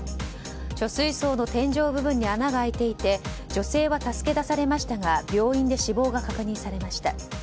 貯水槽の天井部分に穴が開いていて女性は助け出されましたが病院で死亡が確認されました。